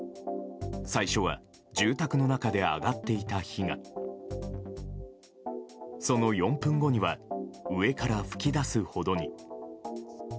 最初は住宅の中で上がっていた火がその４分後には上から噴き出すほどに。